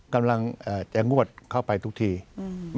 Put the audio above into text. กำลังเอ่อจะงวดเข้าไปทุกทีอืม